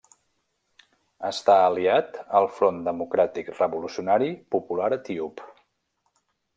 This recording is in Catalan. Està aliat al Front Democràtic Revolucionari Popular Etíop.